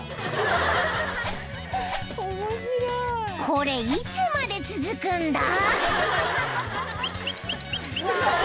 ［これいつまで続くんだ？］